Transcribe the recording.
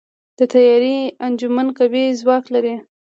د طیارې انجنونه قوي ځواک لري.